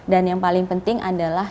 dan yang paling penting adalah